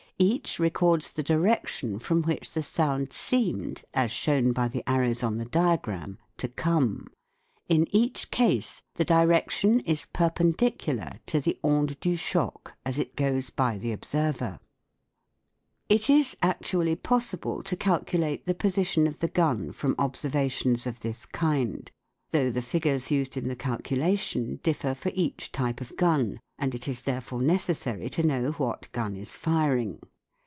i records the direction from which the sound seemed, as shown by the arrows on the diagram to come : in each case the direction is perpendicular to the onde du choc as it goes by the observer. and less inclined to the direction in which the bullet is moving. It is actually possible to calculate the position of the gun from observations of this kind ; though the figures used in the calculation differ for each type of gun, and it is therefore necessary to know what gun is firing.